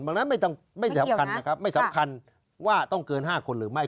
ดังนั้นไม่สำคัญนะครับไม่สำคัญว่าต้องเกิน๕คนหรือไม่